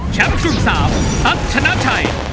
แชมป์กลุ่มสามตั๊บชนะชัย